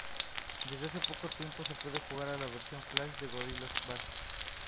Desde hace poco tiempo se puede jugar a la versión Flash de Gorilla.bas.